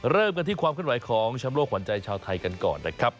เริ่มกันที่ความขึ้นไหวของแชมป์โลกขวัญใจชาวไทยกันก่อนนะครับ